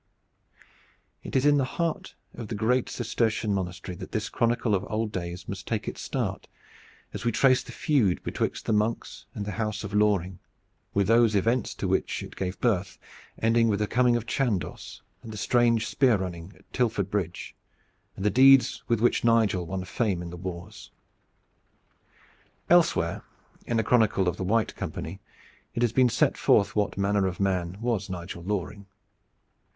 It is in the heart of the great Cistercian monastery that this chronicle of old days must take its start, as we trace the feud betwixt the monks and the house of Loring, with those events to which it gave birth, ending with the coming of Chandos, the strange spear running of Tilford Bridge and the deeds with which Nigel won fame in the wars. Elsewhere, in the chronicle of the White Company, it has been set forth what manner of man was Nigel Loring.